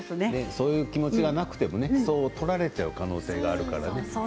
そういう気持ちがなくてもそう取られちゃう可能性があるからね。